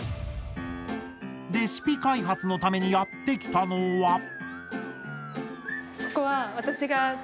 レシピ開発のためにやって来たのは。